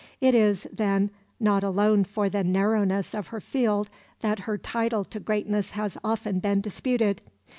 It is, then, not alone for the narrowness of her field that her title to greatness has often been disputed.